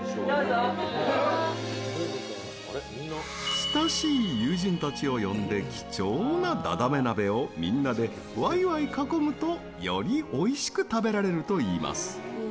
親しい友人たちを呼んで貴重なダダメ鍋をみんなでワイワイ囲むとよりおいしく食べられると言います。